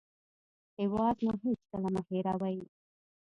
هېواد مو هېڅکله مه هېروئ